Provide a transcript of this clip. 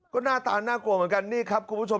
ก็หน้าตาน่ากลัวเหมือนกันนี่ครับคุณผู้ชม